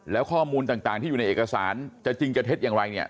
แล้วข้อมูลต่างที่อยู่ในเอกสารจะจริงจะเท็จอย่างไรเนี่ย